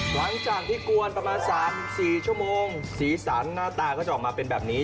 หลังจากที่กวนประมาณ๓๔ชั่วโมงสีสันหน้าตาก็จะออกมาเป็นแบบนี้